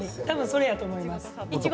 多分それやと思います。